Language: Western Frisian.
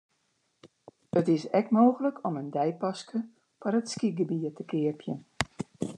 It is ek mooglik om in deipaske foar it skygebiet te keapjen.